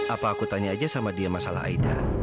apa aku tanya aja sama dia masalah aida